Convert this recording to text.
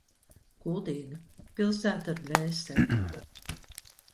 Kuldīga- pilsēta ar dvēseli.